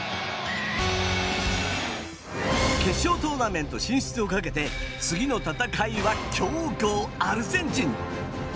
決勝トーナメント進出を懸けて次の戦いは強豪アルゼンチン！